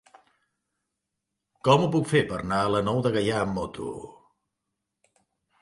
Com ho puc fer per anar a la Nou de Gaià amb moto?